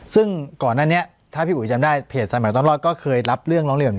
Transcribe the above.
ซึ่งก่อนหน้านี้ถ้าพี่อุ๋ยจำได้เพจสายใหม่ต้องรอดก็เคยรับเรื่องร้องเรียน